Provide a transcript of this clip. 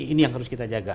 ini yang harus kita jaga